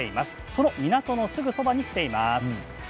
その港のすぐそばに来ています。